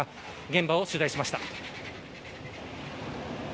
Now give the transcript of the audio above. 現場を取材しました。